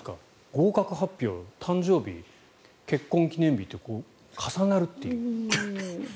合格発表誕生日、結婚記念日って重なるという。